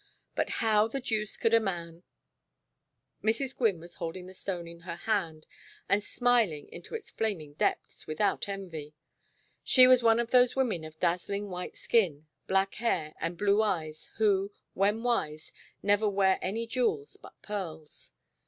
But how the deuce could a man Mrs. Gwynne was holding the stone in her hand and smiling into its flaming depths without envy. She was one of those women of dazzling white skin, black hair and blue eyes, who, when wise, never wear any jewels but pearls.